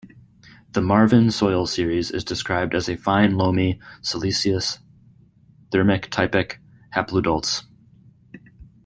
The Marvyn soil series is described as a fine-loamy, siliceous, thermic Typic Hapludults.